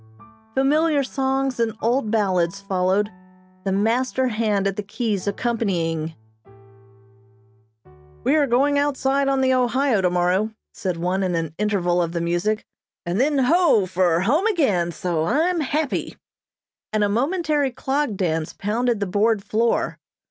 Familiar songs and old ballads followed, the master hand at the keys accompanying. "We are going outside on the Ohio tomorrow," said one in an interval of the music, "and then, ho! for home again, so I'm happy," and a momentary clog dance pounded the board floor.